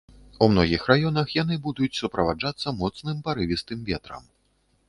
У многіх раёнах яны будуць суправаджацца моцным парывістым ветрам.